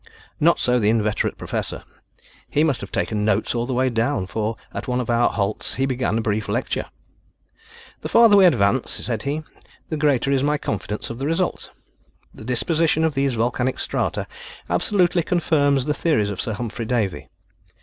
Not so the inveterate Professor. He must have taken notes all the way down, for, at one of our halts, he began a brief lecture. "The farther we advance," said he, "the greater is my confidence in the result. The disposition of these volcanic strata absolutely confirms the theories of Sir Humphry Davy.